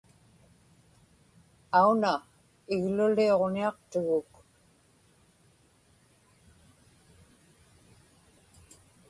auna igluliñiaqtuguk